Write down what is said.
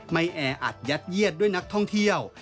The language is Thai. แออัดยัดเยียดด้วยนักท่องเที่ยว